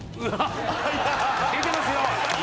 出てますよ！